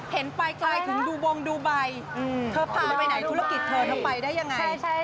เห็นไปไกลถึงดูบงดูใบเธอพาไปไหนธุรกิจเธอเธอไปได้ยังไง